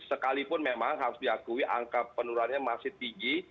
sekalipun memang harus diakui angka penurunannya masih tinggi